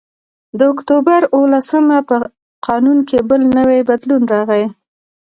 د اکتوبر په اوولسمه په قانون کې بل نوی بدلون راغی